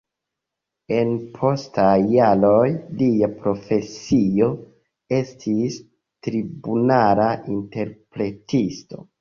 En postaj jaroj lia profesio estis tribunala interpretisto.